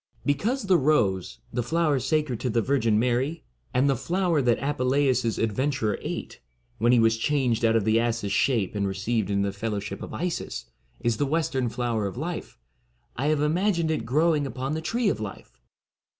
74 Because the Rose, the flower sacred to the Virgin Mary, and the flower that Apuleius' adventurer ate, when he was changed out of the ass's shape and received into the fellow ship of Isis, is the western Flower of Life, I have imagined it growing upon the Tree of Life.